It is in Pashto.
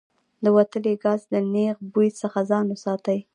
د وتلي ګاز له نیغ بوی څخه ځان وساتئ.